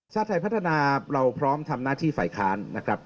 ชาติไทยพัฒนาเราพร้อมทำหน้าที่ฝ่ายค้านนะครับ